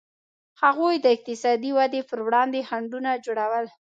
هغوی د اقتصادي ودې پر وړاندې خنډونه جوړول.